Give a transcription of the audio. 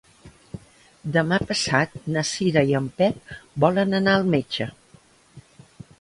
Demà passat na Cira i en Pep volen anar al metge.